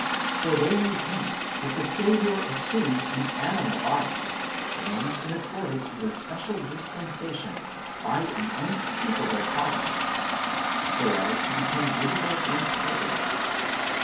For they maintain that the Saviour assumed an animal body, formed in accordance with a special dispen sation by an unspeakable providence, so as to become visible and palpable.